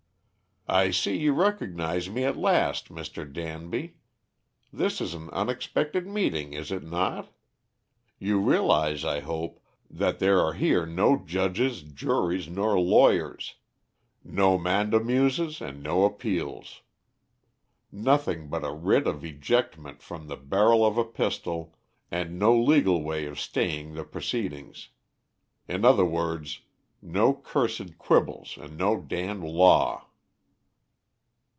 "I see you recognise me at last, Mr. Danby. This is an unexpected meeting, is it not? You realise, I hope, that there are here no judges, juries, nor lawyers, no mandamuses and no appeals. Nothing but a writ of ejectment from the barrel of a pistol and no legal way of staying the proceedings. In other words, no cursed quibbles and no damned law."